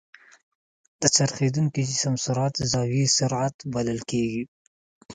د څرخېدونکي جسم سرعت زاويي سرعت بلل کېږي.